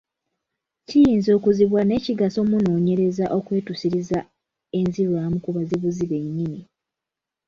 Kiyinza okuzibuwala naye kigasa omunoonyereza okwetuusiriza enzirwamu ku bazibuzi bennyini.